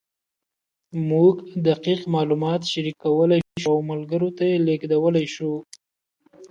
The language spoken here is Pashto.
موږ دقیق معلومات شریکولی شو او ملګرو ته یې لېږدولی شو.